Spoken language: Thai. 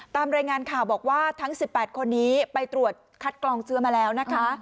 ตามรายงานข่าวบอกว่าทั้ง๑๘คนนี้ไปตรวจคัดกรองเชื้อมาแล้วนะคะ